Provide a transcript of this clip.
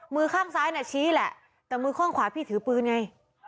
มือข้างซ้ายน่ะชี้แหละแต่มือข้างขวาพี่ถือปืนไง